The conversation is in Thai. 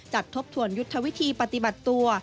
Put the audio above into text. ทบทวนยุทธวิธีปฏิบัติตัว